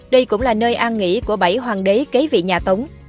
đây cũng là nơi an nghỉ của bảy hoàng đế kế vị nhà tống